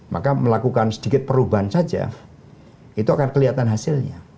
maka melakukan sedikit perubahan saja itu akan kelihatan hasilnya